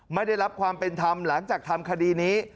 ไม่ได้รับความเป็นธรรมหลังจากทำคดีนี้